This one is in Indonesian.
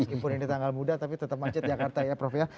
meskipun ini tanggal muda tapi tetap macet jakarta ya prof ya